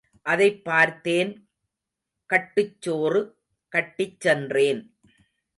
அதைப் பார்த்தேன் கட்டுச் சோறு கட்டிச் சென்றேன்.